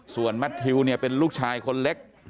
ส่วนแมททิวเนี่ยเป็นลูกชายคนเล็ก